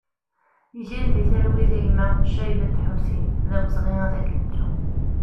Gen di talwit a gma Caybet Ḥusin, d awezɣi ad k-nettu!